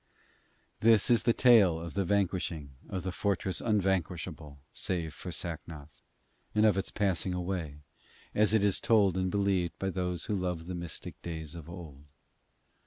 This is the tale of the vanquishing of The Fortress Unvanquishable, Save For Sacnoth, and of its passing away, as it is told and believed by those who love the mystic days of old.